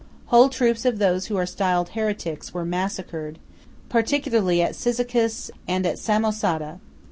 Whole troops of those who are styled heretics, were massacred, particularly at Cyzicus, and at Samosata.